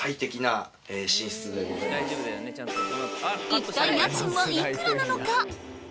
一体家賃は幾らなのか？